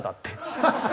ハハハ！